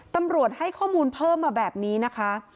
ตำรวจให้ข้อมูลเพิ่มมาแบบนี้นะคะ